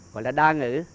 gọi là đa ngữ